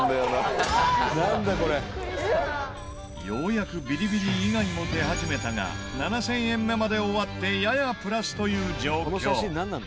ようやくビリビリ以外も出始めたが７０００円目まで終わってややプラスという状況。